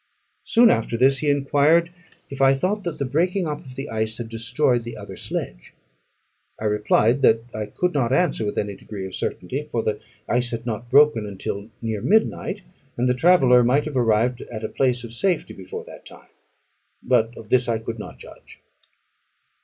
Soon after this he enquired if I thought that the breaking up of the ice had destroyed the other sledge? I replied, that I could not answer with any degree of certainty; for the ice had not broken until near midnight, and the traveller might have arrived at a place of safety before that time; but of this I could not judge.